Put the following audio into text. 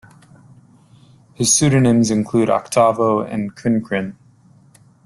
His pseudonyms include Octavo and Crincrin.